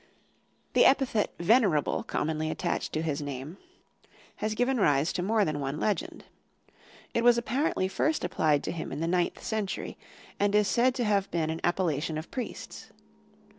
The epithet "Venerable," commonly attached to his name, has given rise to more than one legend. It was apparently first applied to him in the ninth century, and is said to have been an appellation of priests.